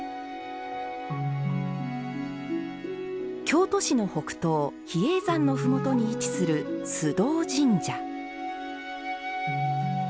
京都市の北東、比叡山のふもとに位置する崇道神社。